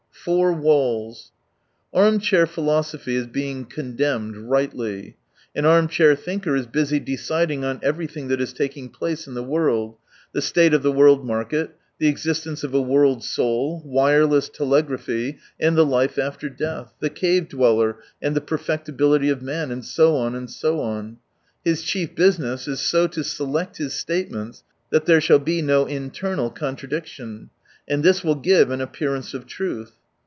Four walls. — Arm chair philosophy is being condemned — ^rightly. An arm chair thinker is busy deciding on everything that is taking place in the world : the state of the world market, the existence of a world soul, wireless telegraphy and the life after death, the cave dweller and the perfecti bility of man, and so on and so on. His chief business is so to select his statements that there shall be no internal contradiction ; and this will give an appearance of truth.